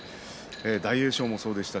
大栄翔もそうでした。